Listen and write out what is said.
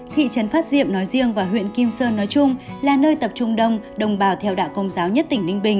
thị trấn phát diệm nói riêng và huyện kim sơn nói chung là nơi tập trung đông đồng bào theo đạo công giáo nhất tỉnh ninh bình